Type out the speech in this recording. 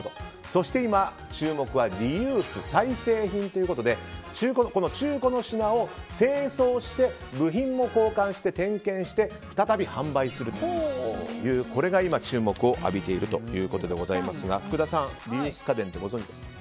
そして今注目はリユース再生品ということで中古の品を清掃して部品も交換して点検して再び販売するというこれが今注目を浴びているということでございますが福田さん、リユース家電ってご存じでした？